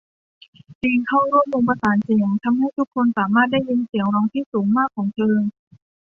ลีนเข้าร่วมวงประสานเสียง ทำให้ทุกคนสามารถได้ยินเสียงร้องที่สูงมากของเธอ